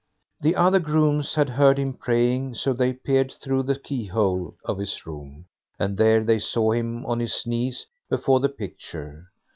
The other grooms had heard him praying, so they peeped through the key hole of his room, and there they saw him on his knees before the picture.